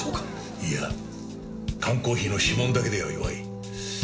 いや缶コーヒーの指紋だけでは弱い。